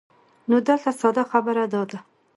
نو دلته ساده خبره دا ده